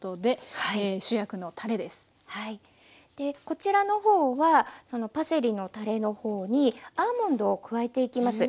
こちらの方はそのパセリのたれの方にアーモンドを加えていきます。